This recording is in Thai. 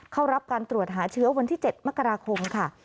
เข้ารับการตรวจหาเชื้อวันที่๗มกราคมค่ะ